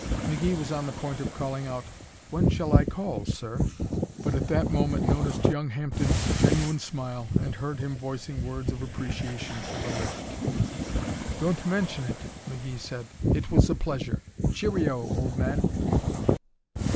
McGee was on the point of calling out, "When shall I call, sir?" but at that moment noticed young Hampden's genuine smile and heard him voicing words of appreciation for the lift. "Don't mention it," McGee said. "It was a pleasure. Cheerio! old man!"